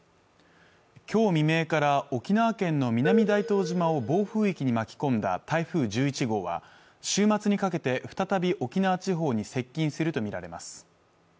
今日未明から沖縄県の南大東島を暴風域に巻き込んだ台風１１号は週末にかけて再び沖縄地方に接近すると見られます